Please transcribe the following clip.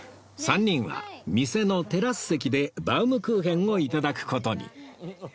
３人は店のテラス席でバウムクーヘンを頂く事に